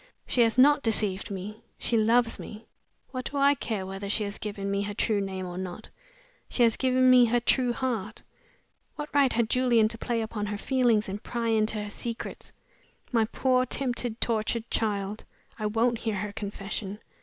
She has not deceived me she loves me! What do I care whether she has given me her true name or not! She has given me her true heart. What right had Julian to play upon her feelings and pry into her secrets? My poor, tempted, tortured child! I won't hear her confession.